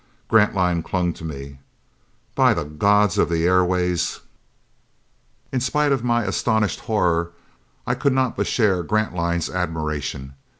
Grantline clung to me. "By the gods of the airways!" In spite of my astonished horror, I could not but share Grantline's admiration.